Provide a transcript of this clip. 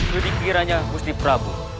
kedikirannya agusti prabu